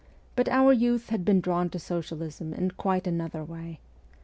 But our youth had been drawn to socialism in quite another way.